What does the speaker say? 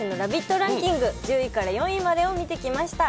ランキング、１０位から４位までを見てきました。